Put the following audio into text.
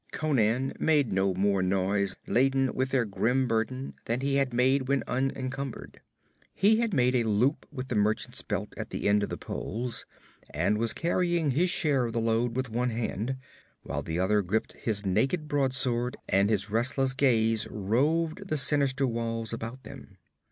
Conan made no more noise laden with their grim burden than he had made when unencumbered. He had made a loop with the merchant's belt at the end of the poles, and was carrying his share of the load with one hand, while the other gripped his naked broadsword, and his restless gaze roved the sinister walls about them.